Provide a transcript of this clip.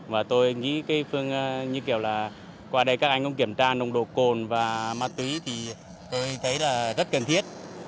và tôi nghĩ cái phương như kiểu là qua đây các anh cũng kiểm tra nồng độ cồn và ma túy thì tôi thấy là rất cần thiết